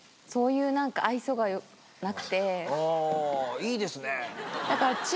いいですね。